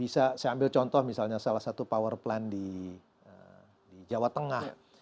saya ambil contoh misalnya salah satu power plant di jawa tengah